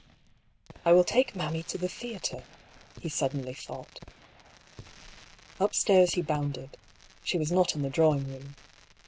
" I will take mammy to the theatre," he suddenly thought. Upstairs he bounded — she was not in the drawing room.